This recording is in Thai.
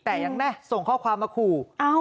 แต่ยังแน่ส่งข้อความมาขู่